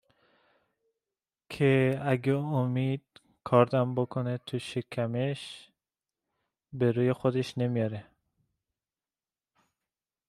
که اگه امید کاردم بکنه تو شکمش به روی خودش نمیاره